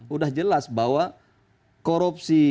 sudah jelas bahwa korupsi